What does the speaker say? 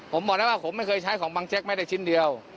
ผมบอกแล้วว่าผมไม่เคยใช้ของบังแจ๊กไม่ได้ชิ้นเดียว